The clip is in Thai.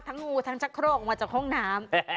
ทั้งงูทั้งชะโครกมาจากห้องน้ำ